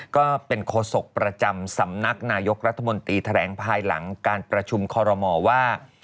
ก็เป็นโฆษกประจำสำนักนายกรัฐมนตรีแถลงภายหลังการประชุมคอรมอว่า